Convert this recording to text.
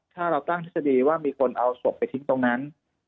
ถ้าเราตั้งทฤษฎีว่ามีคนเอาศพไปทิ้งตรงนั้น